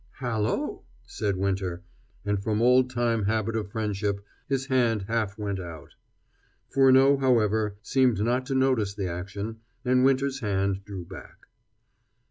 "Hallo," said Winter, and from old time habit of friendship his hand half went out. Furneaux, however, seemed not to notice the action, and Winter's hand drew back.